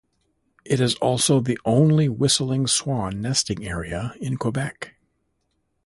It is also the only whistling swan nesting area in Quebec.